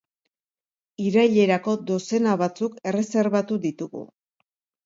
Irailerako dozena batzuk erreserbatu ditugu.